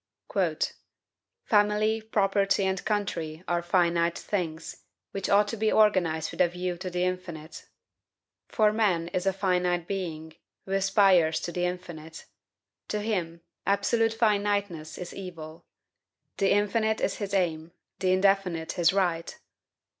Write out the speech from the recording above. "Family, property, and country are finite things, which ought to be organized with a view to the infinite. For man is a finite being, who aspires to the infinite. To him, absolute finiteness is evil. The infinite is his aim, the indefinite his right."